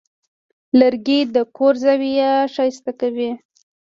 لرګی د کور زاویې ښایسته کوي.